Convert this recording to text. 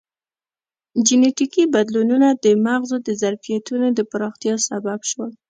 جینټیکي بدلونونه د مغزو د ظرفیتونو د پراختیا سبب شول.